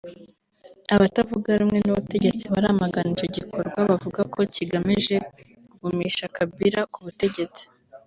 Abatavuga rumwe n’ubutegetsi baramagana icyo gikorwa bavuga ko kigamije kugumisha Kabila ku butegetsi